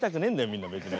みんな別に。